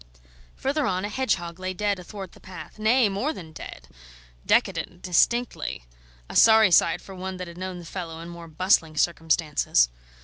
Further on, a hedgehog lay dead athwart the path nay, more than dead; decadent, distinctly; a sorry sight for one that had known the fellow in more bustling circumstances.